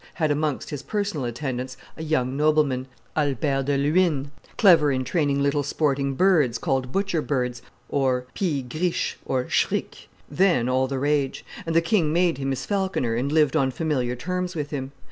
had amongst his personal attendants a young nobleman, Albert de Luynes, clever in training little sporting birds, called butcher birds (pies grieches, or shrikes), then all the rage; and the king made him his falconer and lived on familiar terms with him.